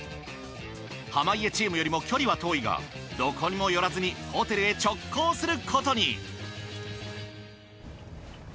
濱家チームよりも距離は遠いがどこにも寄らずにホテルへ直行することに。